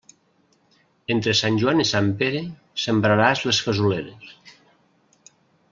Entre Sant Joan i Sant Pere sembraràs les fesoleres.